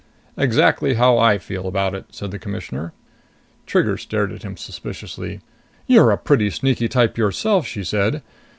"Exactly how I feel about it," said the Commissioner. Trigger stared at him suspiciously. "You're a pretty sneaky type yourself!" she said.